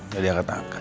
jadi aku tanggap kan